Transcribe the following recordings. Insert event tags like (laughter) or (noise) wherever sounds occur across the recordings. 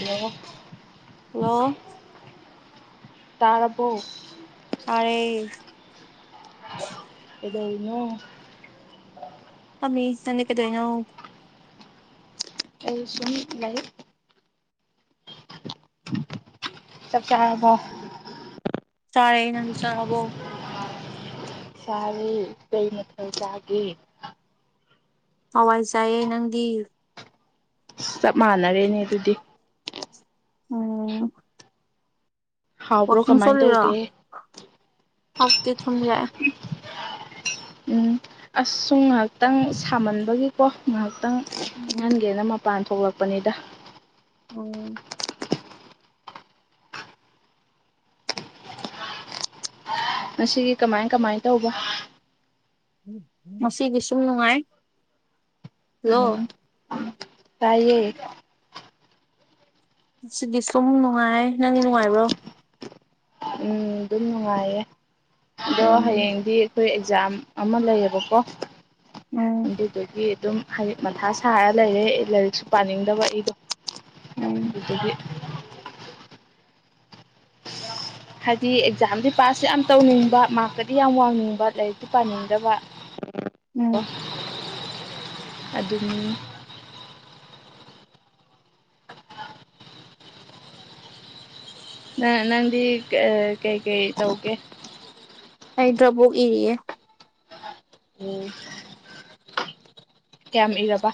hello ꯑꯣꯂ ꯇꯥꯔꯔꯕꯣ ꯍꯔ ꯀꯩꯗꯧꯔꯤꯅꯣ ꯐꯝꯃꯤ ꯅꯪꯗꯤ ꯀꯩꯗꯩꯅꯣ ꯑꯩ ꯁꯅꯤ ꯂꯩ ꯆ ꯀꯦꯕꯣ ꯆꯔꯦ ꯅꯪ ꯆꯕꯣ ꯁꯥꯔꯤ ꯀꯩ ꯃꯊꯜ ꯆꯥꯒ ꯍꯋꯥꯏ ꯆꯥꯏꯌꯦ ꯅꯪꯗꯤ ꯆꯞ ꯃꯥꯟꯅꯔꯦꯅꯦ ꯑꯗꯨꯗꯤ ꯎꯝ ꯍꯥꯎꯕ꯭ꯔꯣ ꯋꯥꯀꯤꯡ ꯀꯃꯥꯏꯅ ꯆꯂꯔꯣ ꯇꯧꯒꯦ ꯍꯧꯥꯎꯛꯇꯤ ꯊꯨꯝ ꯌꯥꯏ ꯎ ꯑꯁꯨꯝ ꯉꯥꯏꯍꯥꯛꯇꯪ ꯁꯥꯃꯟꯕꯒꯤꯀꯣ ꯉꯥꯏꯍꯥꯛꯇꯪ ꯎꯝ ꯏꯪꯍꯟꯒꯦꯅ ꯃꯄꯥꯟ ꯊꯣꯛꯂꯛꯄꯅꯤꯗ ꯎꯝ ꯉꯁꯤꯒꯤ ꯀꯃꯥꯏ ꯀꯃꯥꯏ ꯇꯧꯕ ꯉꯁꯤꯒꯤꯁꯨ ꯅꯨꯡꯉꯥꯏ ꯍꯜꯂꯣ ꯎꯝ ꯇꯥꯏꯌꯦ ꯁꯤꯗꯤ ꯁꯨꯝ ꯅꯨꯡꯉꯥꯏ ꯅꯪꯒꯤ ꯅꯨꯡꯉꯥꯏꯕ꯭ꯔꯣ ꯎꯝ ꯑꯗꯨꯝ ꯅꯨꯡꯉꯥꯏꯌꯦ ꯑꯗꯣ ꯎꯝ ꯍꯌꯦꯡꯗꯤ ꯑꯩꯈꯣꯏ ꯑꯦꯛꯖꯥꯝ ꯑꯃ ꯂꯩꯌꯦꯕꯀꯣ ꯎꯝ ꯑꯗꯒꯤ ꯑꯗꯨꯝ ꯍꯥꯏ ꯃꯊꯥ ꯁꯥꯔ ꯂꯩꯔꯦ ꯂꯥꯏꯔꯤꯛꯁꯨ ꯄꯥꯅꯤꯡꯗꯕ ꯑꯩꯗꯣ ꯎꯝ ꯑꯗꯨ ꯍꯥꯏꯗꯤ ꯑꯦꯛꯖꯥꯝꯗꯤ ꯄꯥꯁ ꯌꯥꯝ ꯇꯧꯅꯤꯡꯕ ꯃꯥꯔꯀꯗꯤ ꯌꯥꯝ ꯋꯥꯡꯅꯤꯡꯕ ꯂꯥꯏꯔꯤꯛꯇꯤ ꯄꯥꯅꯤꯡꯗꯕ ꯎꯝ ꯑꯗꯨꯝ ꯅ ꯅꯪꯗꯤ ꯀꯩꯀꯩ ꯇꯧꯒꯦ ꯑꯩꯗ꯭ꯔꯕ ꯏꯔꯤꯦ ꯎꯝ ꯀꯌꯥꯝ ꯏꯔꯕꯥ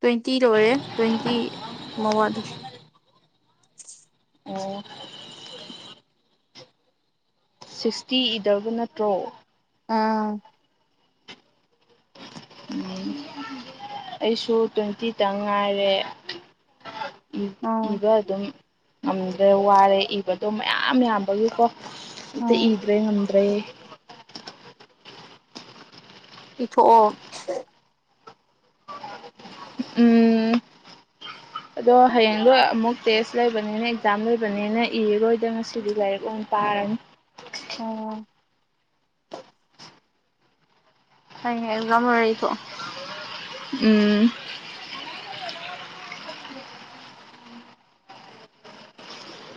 ꯇ꯭ꯋꯦꯟꯇꯤ ꯂꯣꯏꯔꯦ ꯇ꯭ꯋꯦꯟꯇꯤ ꯃ ꯋꯥꯗ ꯑꯣ ꯁꯤꯛꯁꯇꯤ ꯏꯗꯕ ꯅꯠꯇ꯭ꯔꯣ ꯑꯥ ꯎꯝ ꯑꯩꯁꯨ ꯇ꯭ꯋꯦꯟꯇꯤꯗ ꯉꯥꯏꯔꯦ ꯎꯝ ꯏꯕ ꯑꯗꯨꯝ ꯉꯝꯗ꯭ꯔꯦ ꯋꯥꯔꯦ ꯏꯕꯗꯣ ꯃꯌꯥꯝ ꯌꯥꯝꯕꯒꯤꯀꯣ ꯑꯝꯇ ꯎꯝ ꯏꯗ꯭ꯔꯦ ꯉꯝꯗ꯭ꯔꯦ ꯏꯤꯊꯣꯛꯑꯣ ꯍ ꯎꯝ ꯑꯗꯣ ꯍꯌꯦꯡꯗꯣ ꯑꯃꯨꯛ ꯇꯦꯁ ꯂꯩꯕꯅꯤꯅ ꯑꯦꯛꯖꯥꯝ ꯂꯩꯕꯅꯤꯅ ꯏꯔꯔꯣꯏꯗ ꯉꯁꯤꯗꯤ ꯂꯥꯏꯔꯤꯛ ꯂ ꯄꯥꯔꯅꯤ ꯑꯣ ꯍ ꯑꯦꯛꯖꯥꯝ ꯍꯔꯣꯏꯨ ꯎꯝ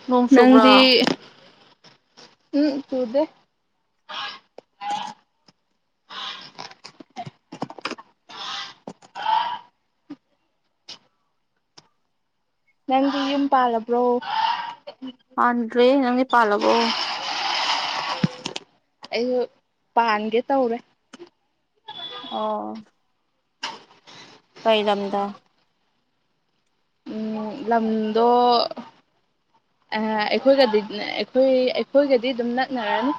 ꯅꯣꯡ ꯆꯨꯕ꯭ꯔꯣ ꯅꯪꯗꯤ ꯎꯝ ꯇꯨꯗꯦ ꯅꯪꯗꯤ ꯌꯨꯝ ꯄꯥꯜꯂꯕ꯭ꯔꯣ ꯄꯟꯈꯔ꯭ꯦ ꯅꯪꯗꯤ ꯄꯜꯂꯥꯕꯣ ꯑꯩꯁꯨ ꯄꯥꯟꯒꯦ ꯇꯧꯔꯦ ꯑꯣ ꯀꯩ ꯂꯝ ꯗꯥꯥ ꯎꯝ ꯂꯝꯗꯣ ꯑ ꯑꯩꯈꯣꯏꯒꯗꯤ ꯑꯩꯈꯣꯏ ꯑꯩꯈꯣꯏꯒꯗꯤ ꯑꯗꯨꯝ ꯅꯛꯅꯔꯅꯤ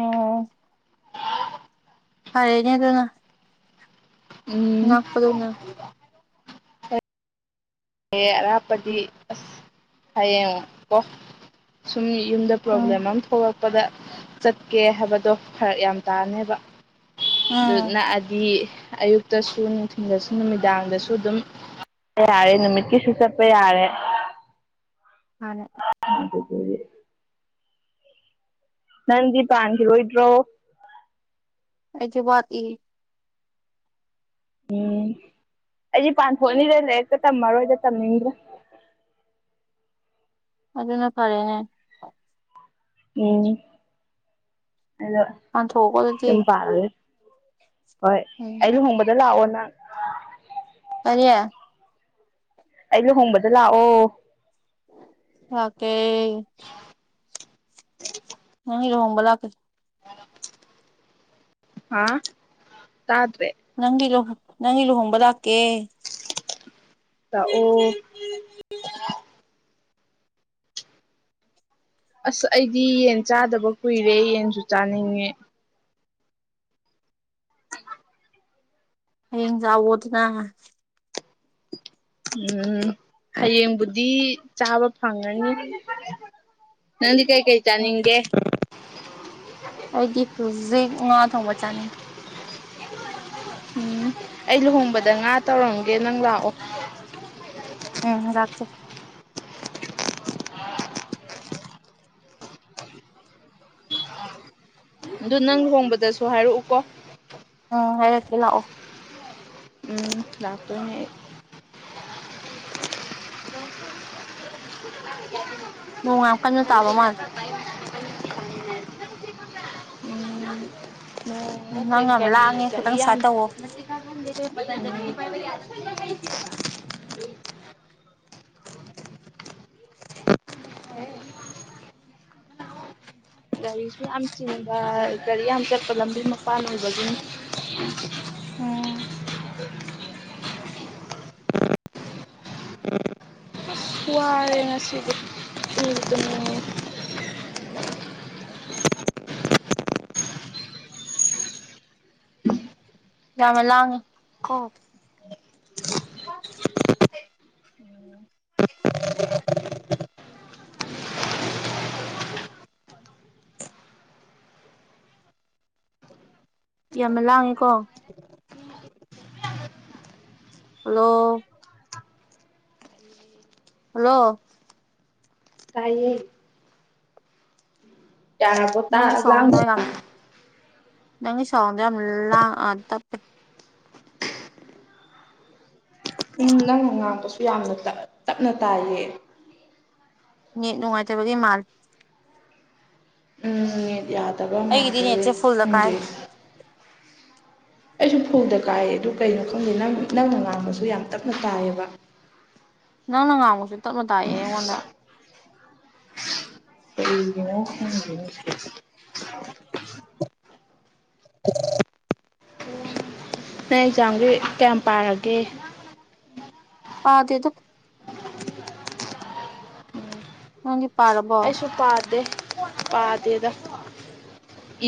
ꯑꯣꯝ ꯍꯔꯦꯅꯤ ꯀꯩꯅꯣ ꯎꯝ ꯍ ꯑꯔꯥꯞꯄꯗꯤ ꯑꯁ ꯍꯌꯦꯡꯉꯣ ꯀꯣ ꯁꯨꯝ ꯌꯨꯝꯗ ꯎꯝ ꯄ꯭ꯔꯣꯕ꯭ꯂꯦꯝ ꯑꯃ ꯊꯣꯛꯂꯛꯄꯗ ꯆꯠꯀꯦ ꯍꯥꯏꯕꯗꯣ ꯐꯔꯛ ꯌꯥꯝ ꯇꯥꯅꯦꯕ ꯑꯗꯨ ꯎꯝ ꯅꯛꯑꯗꯤ ꯑꯌꯨꯛ ꯇꯁꯨ ꯅꯨꯡꯊꯤꯟꯜꯗꯁꯨ ꯅꯨꯃꯤꯗꯥꯡꯗꯁꯨ ꯑꯗꯨꯝ ꯆꯠꯄ ꯌꯥꯔꯦ ꯅꯨꯃꯤꯠꯀꯤꯁꯨ ꯆꯠꯄ ꯌꯥꯔꯦ ꯐꯔꯦ ꯑꯗꯨ ꯐꯦ ꯅꯪꯗꯤ ꯄꯥꯟꯈꯤꯔꯣꯏꯗ꯭ꯔꯣ ꯑꯩꯁꯨꯕꯥ ꯏ ꯎꯝ ꯑꯩꯁ ꯄꯥꯟ ꯊꯣꯛꯣꯛꯅꯤꯗ ꯂꯩꯔꯀ ꯇꯝꯃꯔꯣꯏꯗ ꯇꯝꯅꯤꯡꯗ꯭ꯔꯥ ꯑꯗꯨꯅ ꯐꯔꯦꯅꯦ ꯎꯝ ꯑꯗꯣ ꯄꯟꯊꯣꯀꯣꯀꯣ ꯑꯗꯨꯗꯤ ꯂꯥꯛꯑꯦ ꯍꯣꯏ ꯑꯩ ꯎꯝ ꯂꯨꯍꯣꯡꯕꯗ ꯂꯥꯛꯑꯣ ꯅꯪ ꯀꯔꯤꯌ ꯑꯩ ꯂꯨꯍꯣꯡꯕꯗ ꯂꯥꯛꯑꯣ ꯑꯣꯀꯦ ꯅꯔꯣꯣꯡꯕꯂ ꯀ ꯑ ꯆꯗꯔꯤ ꯅꯪꯗꯤꯨ ꯅꯪꯒꯤ ꯂꯨꯍꯣꯡꯕ ꯂꯥꯛꯀꯦ ꯂꯥꯛ ꯑꯣ (unintelligible) ꯑꯁ ꯑꯩꯗꯤ ꯌꯦꯟ ꯆꯥꯗꯕ ꯀꯨꯏꯔꯦ ꯌꯦꯟꯁꯨ ꯆꯥꯅꯤꯡꯉꯦ ꯍꯌꯦꯟ ꯌꯧꯎ ꯗꯥ ꯅꯥ ꯎꯝ ꯍꯌꯦꯡꯕꯨꯗꯤ ꯆꯥꯕ ꯐꯪꯉꯅꯤ ꯅꯜꯂꯤ ꯀꯥꯏ ꯀꯩꯇ ꯎꯝ ꯅꯤꯡꯪꯒ ꯑꯩꯗꯤ ꯍꯧꯖꯤꯛ ꯉꯥ ꯊꯣꯡꯕ ꯆꯥꯅꯤꯡ ꯎꯝ ꯑꯩ ꯂꯨꯍꯣꯡꯕꯗ ꯉꯥ ꯇꯧꯔꯝꯒꯦ ꯅꯪ ꯂꯥꯛꯑꯣ ꯑꯦ (unintelligible) ꯑꯗꯨ ꯅꯪ ꯍꯣꯡꯕꯗꯁꯨ ꯍꯥꯏꯔꯛꯎ ꯀꯣ ꯎꯝ ꯍꯦꯛ ꯂꯑꯣ ꯎꯝ ꯂꯥꯛꯇꯣꯅꯦ ꯑꯩ (unintelligible) ꯅꯣꯡꯌꯥꯝ ꯀꯟꯅ ꯇꯥꯕ ꯃꯥꯜꯂꯦ ꯑꯩ ꯎꯝ ꯎ ꯎꯝ ꯅꯠꯇꯦ ꯅꯪ ꯌꯥꯝ ꯂꯥꯡꯉꯦ ꯒꯥꯔꯤꯔꯤ ꯈꯤꯇꯪ ꯌꯥꯝ ꯁꯥꯏꯠ ꯇꯧꯋꯣ (unintelligible) (unintelligible) ꯒꯥꯔꯤꯁꯨ ꯌꯥꯝ ꯆꯤꯟꯕ ꯒꯥꯔꯤ ꯌꯥꯝ ꯆꯠꯄ ꯂꯝꯕꯤ ꯃꯄꯥꯟ ꯑꯣꯏꯕꯒꯤꯅꯤ ꯎꯝ ꯎꯝ ꯁꯔꯦ ꯉꯁꯤꯗꯤ ꯇꯨꯝꯕꯨ ꯇꯨꯝꯅꯥꯡꯉꯦ ꯌꯥꯝꯃ ꯂꯥꯡꯉꯦ ꯌꯥꯝꯅ ꯂꯥꯡꯉꯦꯀꯣ ꯍꯜꯂꯣ ꯍꯜꯂꯣ ꯇꯥꯏꯌꯦ ꯌꯥꯔꯕꯣ ꯅꯪꯒꯤ ꯇꯥ ꯂꯥꯡ ꯁꯣꯗꯔꯝ ꯅꯪ ꯁꯣꯏꯟꯗ ꯗꯣ ꯌꯥꯝ ꯇꯞꯄꯤ ꯅꯪꯅ ꯉꯥꯡꯄꯁꯨ ꯌꯥꯝꯅ ꯇꯞꯅ ꯇꯥꯏꯌꯦ ꯃꯤꯠ ꯅꯨꯡꯉꯥꯏꯇꯕꯗꯤ ꯃꯥꯜ ꯃꯤꯠ ꯌꯥꯗꯕ ꯑꯩꯒꯤꯗꯤ ꯃꯥꯜꯂꯦ ꯅꯦꯠꯁꯦ ꯐꯨꯜꯗ ꯀꯥꯏ ꯈꯪꯗꯦ ꯑꯩꯁꯨ ꯐꯧꯗ ꯀꯥꯏꯑ ꯑꯗꯨ ꯀꯩꯅꯣ ꯈꯪꯗꯦ ꯅꯪ ꯅꯪꯅ ꯉꯥꯡꯕꯁꯨ ꯌꯥꯝ ꯇꯞꯅ ꯇꯥꯏꯌꯦꯕ ꯅꯪꯅ ꯉꯥꯡꯕꯁꯨ ꯇꯞꯅ ꯇꯥꯛꯑꯦ ꯑꯩꯉꯣꯟꯗ ꯀꯔꯤ ꯒꯤ ꯅꯣ ꯈꯪꯗꯦꯅꯦ ꯅꯪ ꯑꯦꯛꯖꯥꯝꯒꯤ ꯀꯌꯥꯝ ꯄꯥꯔꯒꯦ ꯄꯗꯦꯗꯥ ꯅꯡ ꯗꯤ ꯄꯥꯔꯕꯔꯣ ꯑꯩꯁꯨ ꯄꯥꯗꯦ ꯄꯥꯗꯦꯗ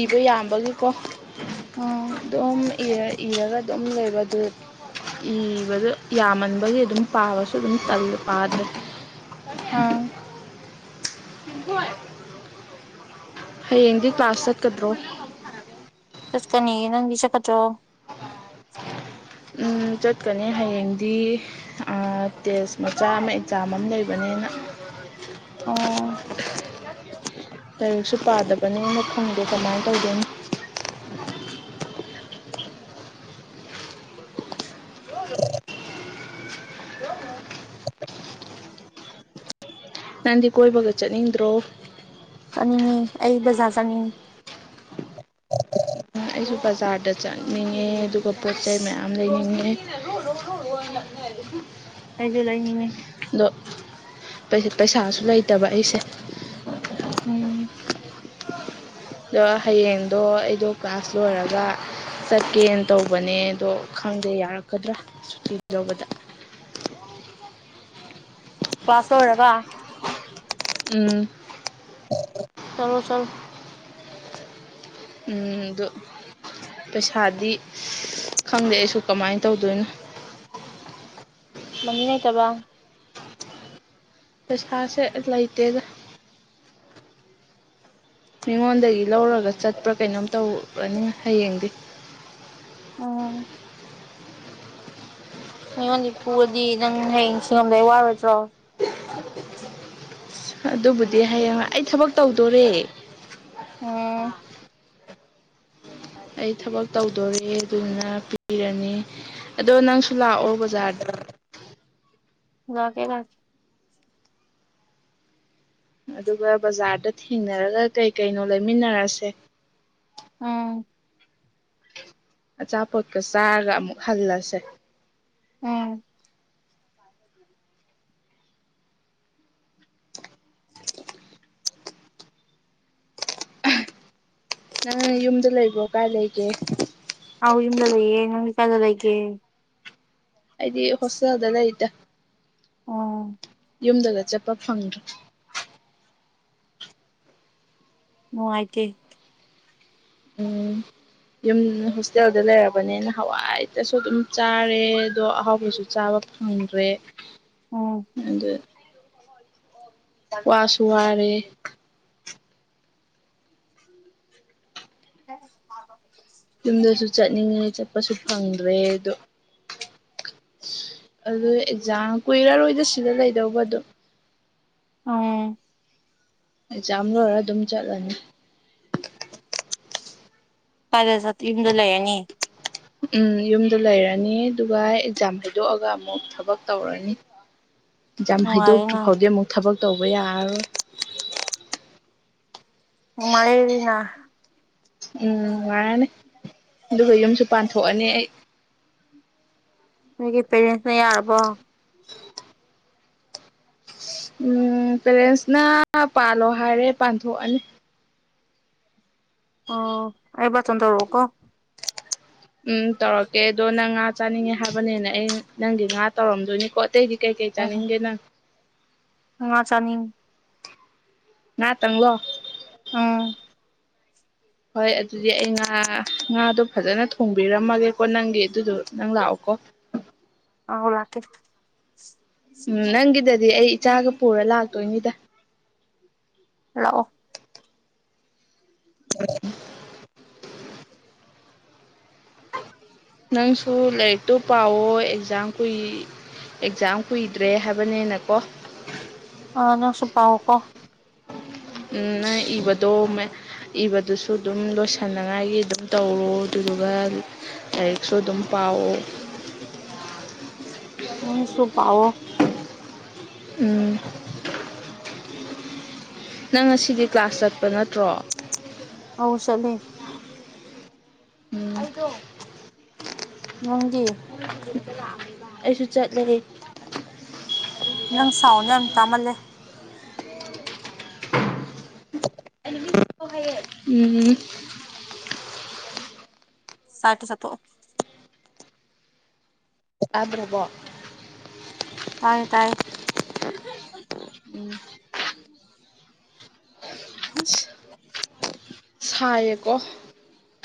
ꯏꯕ ꯌꯥꯝꯕꯒꯤꯀꯣ ꯎꯝ ꯑꯗꯨꯝ ꯏꯔꯒ ꯑꯗꯨꯝ ꯂꯩꯕ ꯑꯗꯨ ꯏꯕꯗꯣ ꯌꯥꯝꯃꯟꯕꯒꯤ ꯑꯗꯨꯝ ꯄꯥꯕꯁꯨ ꯑꯗꯨꯝ ꯇꯜꯂꯕ ꯄꯥꯗ ꯅꯠꯇꯦ ꯍꯥꯝ ꯂꯤꯟꯊꯣꯏ ꯍꯌꯦꯡꯗꯤ ꯀ꯭ꯂꯥꯁ ꯆꯠꯀꯗ꯭ꯔꯣ ꯆꯠꯀꯅꯤ ꯅꯪꯒꯤ ꯆ ꯈꯠꯇ꯭ꯔꯣ ꯎ ꯆꯠꯀꯅꯤ ꯍꯌꯦꯡꯗꯤ ꯇꯦꯁ ꯃꯆꯥ ꯑꯃ ꯑꯦꯛꯖꯥꯝ ꯑꯃ ꯂꯩꯕꯅꯤꯅ ꯎꯝ (unintelligible) ꯂꯥꯏꯔꯤꯛꯁꯨ ꯄꯥꯗꯕꯅꯦꯅ ꯈꯪꯗꯦ ꯀꯃꯥꯏꯅ ꯇꯧꯗꯣꯏꯅ ꯅꯪꯗꯤ ꯀꯣꯏꯕꯒ ꯆꯠꯅꯤꯡꯗ꯭ꯔꯣ ꯆꯠꯅꯤꯡꯉ ꯑꯩ ꯕꯖꯥꯔ ꯆꯠꯅꯤꯡꯉꯤ ꯑꯩꯁꯨ ꯕꯖꯥꯔꯗ ꯆꯠꯅꯤꯡꯉꯦ ꯑꯗꯨꯒ ꯄꯣꯠ ꯆꯩꯩ ꯃꯌꯥꯝ ꯂꯩꯅꯤꯡꯉꯦ (unintelligible) ꯑꯩꯁꯨ ꯂꯩꯅꯤꯡꯉꯦ ꯑꯗꯣ ꯄꯩ ꯄꯩꯁꯥꯁꯨ ꯂꯩꯇꯕ ꯑꯩꯁꯦ ꯎꯝ ꯑꯗꯣ ꯍꯌꯦꯡꯗꯣ ꯑꯩꯗꯣ ꯀ꯭ꯂꯥꯁ ꯂꯣꯏꯔꯒ ꯆꯠꯀꯦꯅ ꯇꯧꯕꯅꯦ ꯑꯗꯣ ꯈꯪꯗꯦ ꯌꯥꯔꯛꯀꯗ꯭ꯔꯥ ꯁꯨꯇꯤ ꯂꯧꯕꯗ ꯀ꯭ꯂꯥꯁ ꯂꯣꯏꯔꯒ ꯎꯝ ꯆꯠꯂꯣ ꯆꯂꯣ ꯎꯝ ꯑꯗꯨ ꯄꯩꯁꯥꯗꯤ ꯈꯪꯗꯦ ꯑꯩꯁꯨ ꯀꯃꯥꯏꯅ ꯇꯧꯗꯣꯏꯅꯣ ꯃꯅꯤ ꯂꯩꯇꯕ ꯄꯩꯁꯥꯁꯦ ꯂꯩꯇꯦꯗ ꯃꯤꯉꯣꯟꯗꯒꯤ ꯂꯧꯔꯒ ꯆꯠꯄ꯭ꯔꯥ ꯀꯩꯅꯣꯝ ꯇꯧꯔꯅꯤ ꯍꯌꯦꯡꯗꯤ ꯎꯝ ꯃꯤꯉꯣꯟꯗꯤ ꯄꯨꯔꯗꯤ ꯅꯪ ꯍꯌꯦꯡ ꯁꯤꯡꯉꯝꯗꯥꯏ ꯋꯥꯔꯣꯏꯗ꯭ꯔꯣ (unintelligible) ꯑꯗꯨꯕꯨꯗꯤ ꯍꯌꯦꯡ ꯑꯩ ꯊꯕꯛ ꯇꯧꯗꯣꯔꯦ ꯎꯝ ꯑꯩ ꯊꯕꯛ ꯇꯧꯗꯣꯔꯦ ꯑꯗꯨꯗꯨꯅ ꯄꯤꯔꯅꯤ ꯑꯗꯣ ꯅꯪꯁꯨ ꯂꯥꯛꯑꯣ ꯕꯖꯥꯔꯗ ꯂꯥꯛꯀꯦ ꯂꯥꯛꯀꯦ ꯑꯗꯨꯒ ꯕꯖꯥꯔꯗ ꯊꯦꯡꯅꯔꯒ ꯀꯩ ꯀꯩꯅꯣ ꯂꯩꯃꯤꯟꯅꯔꯁꯦ ꯎꯝ ꯑꯆꯥꯄꯣꯠꯀ ꯆꯥꯔꯒ ꯑꯃꯨꯛ ꯍꯜꯂꯁꯦ ꯎꯝ ꯅꯪ ꯌꯨꯝꯗ ꯂꯩꯕ꯭ꯔꯣ ꯀꯥꯏ ꯂꯩꯒꯦ ꯑꯥꯎ ꯏꯗ ꯂꯩ ꯌꯦ ꯅꯪꯗꯤ ꯀꯥꯏꯗ ꯂꯩꯒꯦ ꯑꯩꯗꯤ ꯍꯣꯁꯇꯦꯜꯗ ꯂꯩꯗ ꯑꯣ ꯌꯨꯝꯗꯒ ꯆꯠꯄ ꯐꯪꯗ꯭ꯔꯥ ꯅꯨꯡꯉꯥꯏꯇꯦ ꯎꯝ ꯌꯨꯝ ꯍꯣꯁꯇꯦꯜꯗ ꯂꯩꯔꯕꯅꯤꯅ ꯍꯋꯥꯏꯇꯁꯨ ꯑꯗꯨꯝ ꯆꯥꯔꯦ ꯑꯗꯣ ꯑꯍꯥꯎꯕꯁꯨ ꯆꯥꯕ ꯐꯪꯗ꯭ꯔꯦ ꯎꯝ ꯑꯗꯣ ꯋꯥꯁꯨꯨꯋꯥꯔꯦ ꯌꯨꯝꯗꯁꯨ ꯆꯠꯅꯤꯡꯉꯦ ꯆꯠꯄꯁꯨ ꯐꯪꯗ꯭ꯔꯦ ꯑꯗꯣ ꯑꯗꯨ ꯑꯦꯛꯖꯥꯝ ꯀꯨꯏꯔꯔꯣꯏꯗ ꯁꯤꯗ ꯂꯩꯗꯧꯕ ꯑꯗꯨ ꯎꯝ ꯑꯦꯛꯖꯥꯝ ꯂꯣꯏꯔ ꯑꯗꯨꯝ ꯆꯠꯂꯅꯤ (unintelligible) ꯌꯨꯝꯗ ꯂꯩꯔꯅꯤ ꯎꯝ ꯌꯨꯝꯗ ꯂꯩꯔꯅꯤ ꯑꯗꯨꯒ ꯑꯦꯛꯖꯥꯝ ꯍꯥꯏꯩꯗꯣꯛꯑꯒ ꯑꯃꯨꯛ ꯊꯕꯛ ꯇꯧꯔꯅꯤ ꯖꯥꯝ ꯍꯩꯗꯣꯛꯇ꯭ꯔꯤ ꯅꯨꯡꯉꯥꯏꯔꯦꯅ ꯐꯥꯎꯗꯤ ꯑꯃꯨꯛ ꯊꯕꯛ ꯇꯧꯕ ꯌꯥꯔꯣꯏ ꯅꯨꯉꯥꯏꯔꯦꯗꯅ ꯎꯝ ꯉꯥꯏꯔꯅꯤ ꯑꯗꯨꯒ ꯌꯨꯝꯁꯨ ꯄꯥꯟꯊꯣꯛꯑꯅꯤ ꯑꯩ ꯅꯣꯏꯒꯤ ꯄꯦꯔꯦꯟꯁꯅ ꯌꯥꯔꯕꯣ ꯎꯝ ꯄꯦꯔꯦꯟꯁꯅ ꯄꯥꯜꯂꯣ ꯍꯥꯏꯔꯦ ꯄꯥꯟꯊꯣꯛꯑꯅꯤ ꯑꯣ ꯑꯩ ꯕꯥꯔꯇꯣꯟ ꯇꯧꯔꯛꯎꯀꯣ ꯎꯝ ꯇꯧꯔꯛꯀꯦ ꯑꯗꯣ ꯅꯪ ꯉꯥ ꯆꯥꯅꯤꯡꯉꯦ ꯍꯥꯏꯕꯅꯤꯅ ꯑꯩ ꯅꯪꯒꯤ ꯉꯥ ꯇꯧꯔꯝꯗꯣꯏꯅꯤꯀꯣ ꯑꯇꯩꯗꯤ ꯀꯩꯀꯩ ꯎꯝ ꯆꯥꯅꯤꯡꯒꯦ ꯅꯪ ꯉꯥ ꯆꯅꯤꯡꯉꯦ ꯉꯥ ꯇꯪꯂꯣ ꯑ ꯍꯣꯏ ꯑꯗꯨꯗꯤ ꯑꯩ ꯉꯥ ꯉꯥꯗꯣ ꯐꯖꯅ ꯊꯣꯡꯕꯤꯔꯝꯃꯒꯦꯀꯣ ꯅꯪꯒꯤ ꯑꯗꯨꯗꯣ ꯅꯪ ꯂꯥꯛꯑꯣꯀꯣ ꯑꯧ ꯂꯥꯛꯀꯦ ꯎꯝ ꯅꯪꯒꯤꯗꯗꯤ ꯑꯩ ꯏꯆꯥꯒ ꯄꯨꯔ ꯂꯥꯛꯇꯣꯏꯅꯤꯗ ꯂꯥꯛꯑꯣ (inaudible) ꯅꯪꯁꯨ ꯂꯥꯏꯔꯤꯛꯇꯨ ꯄꯥꯋꯣ ꯑꯦꯛꯖꯥꯝ ꯀꯨꯏ ꯑꯦꯛꯖꯥꯝ ꯀꯨꯏꯗ꯭ꯔꯦ ꯍꯥꯏꯕꯅꯤꯅ ꯀꯣ ꯑ ꯅꯪꯁꯨ ꯄꯥꯎꯀꯣ ꯎꯝ ꯏꯕꯗꯣ ꯃ ꯏꯕꯗꯨꯁꯨ ꯑꯗꯨꯝ ꯂꯣꯏꯁꯤꯟꯅꯉꯥꯏꯒꯤ ꯑꯗꯨꯝ ꯇꯧꯔꯣ ꯑꯗꯨꯗꯨꯒ ꯂꯥꯏꯔꯤꯛꯁꯨ ꯑꯗꯨꯝ ꯄꯥꯎ ꯅꯪꯁꯨꯨ ꯄꯥꯎꯑꯣ ꯎꯝ ꯅꯪ ꯉꯁꯤꯗꯤ ꯀ꯭ꯂꯥꯁ ꯆꯠꯄ ꯅꯠꯇ꯭ꯔꯣ ꯑꯧ ꯆꯠꯂꯦ ꯎꯝ ꯅꯪꯗꯤ ꯑꯩꯁꯨ ꯆꯠꯂꯦ ꯅꯪ ꯁꯥꯎꯟꯗ ꯌꯥꯝ ꯇꯥꯃꯜꯂꯦ ꯎꯝ ꯆꯥꯛꯇꯣ ꯆꯥꯊꯣꯛꯑꯣ ꯇꯗ꯭ꯔꯕꯣ ꯇꯥꯏꯌꯦ ꯇꯥꯏꯌꯦ (inaudible) ꯑꯁ ꯁꯥꯏꯌꯦꯀꯣ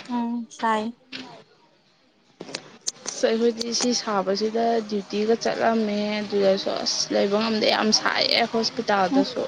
ꯎꯝ ꯁꯥꯏ ꯑꯁ ꯑꯩꯈꯣꯏꯗꯤ ꯁꯤ ꯁꯥꯕꯁꯤꯗ ꯗ꯭ꯌꯨꯇꯤꯒ ꯆꯠꯂꯝꯃꯦ ꯑꯗꯨꯗꯁꯨ ꯑꯁ ꯂꯩꯕ ꯉꯝꯗꯦ ꯌꯥꯝ ꯁꯥ ꯁꯥꯏꯌꯦ ꯎꯝ ꯍꯣꯁꯄꯤꯇꯥꯜꯗꯁꯨ